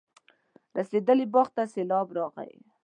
رسېدلي باغ ته سېلاب راغی.